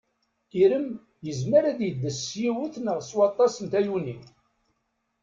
Irem yezmer ad yeddes s yiwet neɣ s waṭas n tayunin.